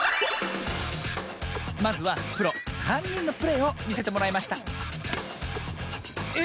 まずはプロさんにんのプレーをみせてもらいましたえ